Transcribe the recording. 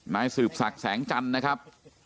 ไม้สืบสักแสงจันทร์นะครับ